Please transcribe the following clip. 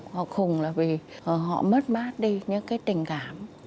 họ khùng là vì họ mất mát đi những cái tình cảm